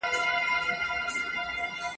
پولادي قوي منګول تېره مشوکه !.